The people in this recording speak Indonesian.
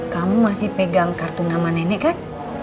kamu masih pegang kartu nama nenek kan